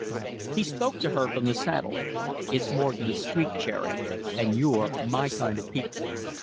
He spoke to her from the saddle. "It's more than a streak, Cherry, and you're my kind of people."